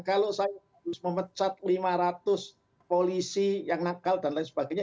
kalau saya harus memecat lima ratus polisi yang nakal dan lain sebagainya